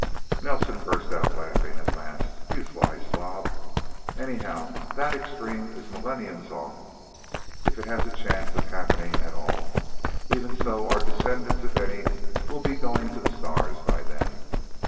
Nelsen burst out laughing, at last. "You sly slob...! Anyhow, that extreme is millenniums off if it has a chance of happening, at all. Even so, our descendants, if any, will be going to the stars by then.